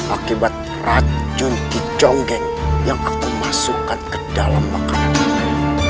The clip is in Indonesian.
akibat racun dicongkeng yang aku masukkan ke dalam makanan kita